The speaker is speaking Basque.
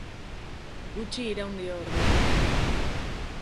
Gutxi iraun dio ordea.